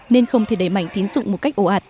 nên không thể đẩy mạnh tín dụng một cách ồ ạt